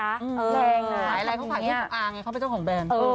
แรงอ่ะหลายเขาขายให้ฝุกอ่าไงเขาเป็นเจ้าของแบรนด์